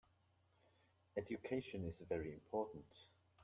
Education is very important.